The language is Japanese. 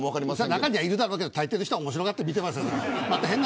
中には、いるだろうけどたいていの人は面白がって見ていますよ。